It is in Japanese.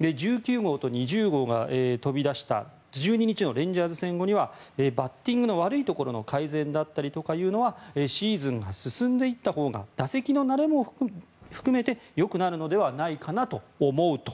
１９号と２０号が飛び出した１２日のレンジャーズ戦後にはバッティングの悪いところの改善だったりというのはシーズンが進んでいったほうが打席の慣れも含めてよくなるのではないかなと思うと。